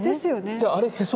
じゃああれへそ？